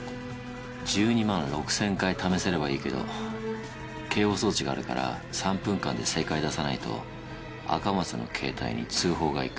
１２万６，０００回試せればいいけど警報装置があるから３分間で正解出さないと赤松の携帯に通報がいく。